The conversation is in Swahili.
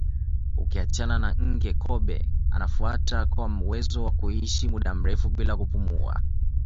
Ukiachana na nge kobe anafuata kwa uwezo wa kuishi muda mrefu bila kupumua